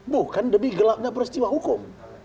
bukan demi gelapnya peristiwa hukum